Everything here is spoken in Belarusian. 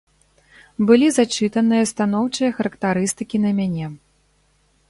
Былі зачытаныя станоўчыя характарыстыкі на мяне.